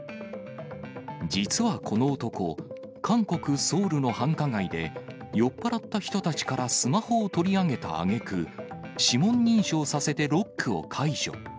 実はこの男、韓国・ソウルの繁華街で、酔っ払った人たちからスマホを取り上げたあげく、指紋認証させてロックを解除。